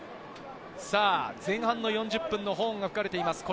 前半４０分のホーンが吹かれています。